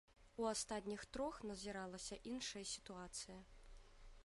У астатніх трох назіралася іншая сітуацыя.